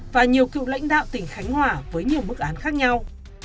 và nhiều cựu lãnh đạo tỉnh khánh hòa với nhiều mức án khác nhau